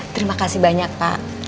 terima kasih banyak pak